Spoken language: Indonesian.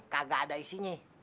kagak ada isinya